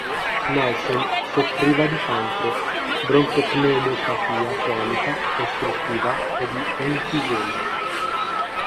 Nelson soffriva di cancro, broncopneumopatia cronica ostruttiva e di enfisema.